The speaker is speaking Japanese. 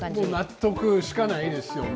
納得しかないですよね。